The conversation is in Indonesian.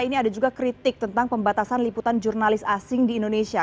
ini ada juga kritik tentang pembatasan liputan jurnalis asing di indonesia